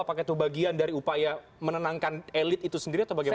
apakah itu bagian dari upaya menenangkan elit itu sendiri atau bagaimana